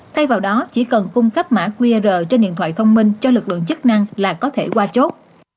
thay vào đó chỉ cần cung cấp mã qr trên điện thoại thông minh cho lực lượng chức năng là có thể qua chốt